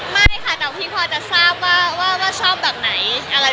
ไม่ค่ะแต่พี่พอจะทราบว่าชอบแบบไหนอะไร